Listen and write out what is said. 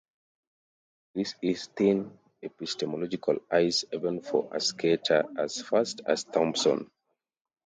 This is thin epistemological ice even for a skater as fast as Thompson.